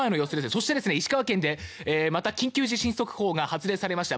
そして、石川県でまた緊急地震速報が発令されました。